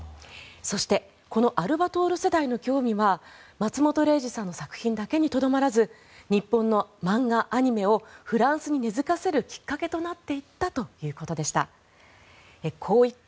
そしてこのアルバトール世代の興味は松本零士さんの作品だけにとどまらず日本の漫画・アニメをフランスに根付かせるきっかけになっていったということでした。